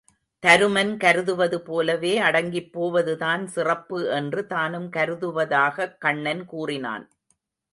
தருமன் கருதுவது போலவே அடங்கிப் போவதுதான் சிறப்பு என்று தானும் கருதுவதாகக் கண்ணன் கூறினான்.